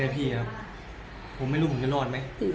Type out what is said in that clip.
ผมไม่รู้ผมจะรอดไหม